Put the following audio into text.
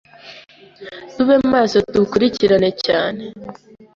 Tube maso dukurikirane cyane